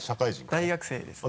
大学生ですね。